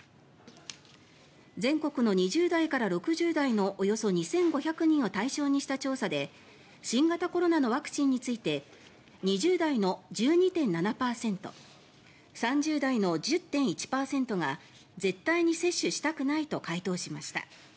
全国の２０代から６０代のおよそ２５００人を対象にした調査で新型コロナのワクチンについて２０代の１２．７％３０代の１０．１％が絶対に接種したくないと回答しました。